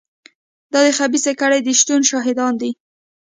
دا د خبیثه کړۍ د شتون شاهدان دي.